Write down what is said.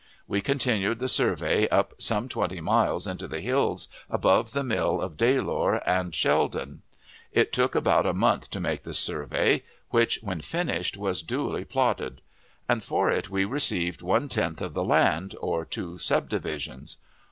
We continued the survey up some twenty miles into the hills above the mill of Dailor and Sheldon. It took about a month to make this survey, which, when finished, was duly plotted; and for it we received one tenth of the land, or two subdivisions.